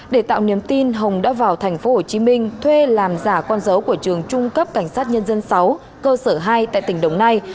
để tạo niềm tin hồng đã vào thành phố hồ chí minh thuê làm giả con dấu của trường trung cấp cảnh sát nhân dân sáu cơ sở hai tại tỉnh đồng nai